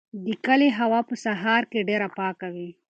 د کلي هوا په سهار کې ډېره پاکه وي.